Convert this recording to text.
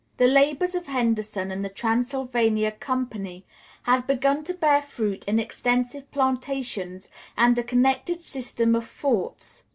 The labors of Henderson and the Transylvania Company had begun to bear fruit in extensive plantations and a connected system of forts.